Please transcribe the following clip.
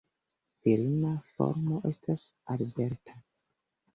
Virina formo estas "Alberta".